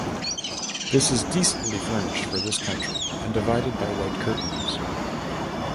This is decently furnished for this country, and divided by white curtains.